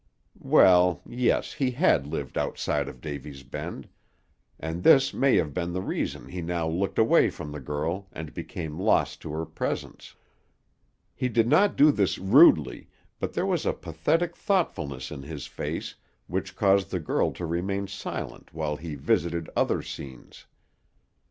Well, yes, he had lived outside of Davy's Bend, and this may have been the reason he now looked away from the girl and became lost to her presence. He did not do this rudely, but there was a pathetic thoughtfulness in his face which caused the girl to remain silent while he visited other scenes.